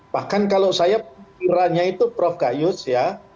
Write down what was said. bahkan kalau saya pikirannya itu prof gayus ya